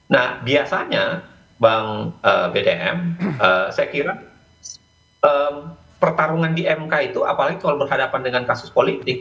nah biasanya bang bdm saya kira pertarungan di mk itu apalagi kalau berhadapan dengan kasus politik